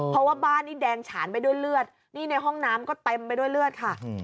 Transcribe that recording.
เพราะว่าบ้านนี้แดงฉานไปด้วยเลือดนี่ในห้องน้ำก็เต็มไปด้วยเลือดค่ะ